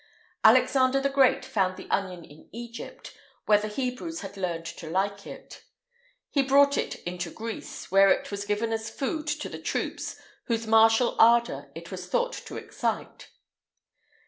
Alexander the Great found the onion in Egypt, where the Hebrews had learned to like it.[IX 143] He brought it into Greece, where it was given as food to the troops, whose martial ardour[IX 144] it was thought to excite.